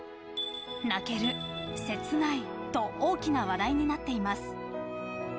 泣ける、切ないと大きな話題になっています。